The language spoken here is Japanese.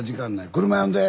車呼んで。